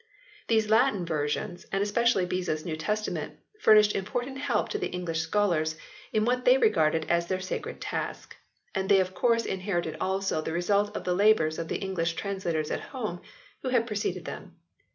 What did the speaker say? These Latin versions and especially Beza s New Testament fur nished important help to the English scholars in what they regarded as their sacred task, and they of course inherited also the result of the labours of the English translators at home who had preceded them.